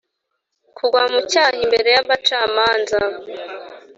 kugwa mu cyaha, imbere y’abacamanza,